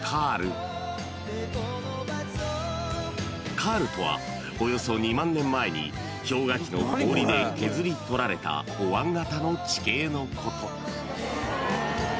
［カールとはおよそ２万年前に氷河期の氷で削り取られたおわん形の地形のこと］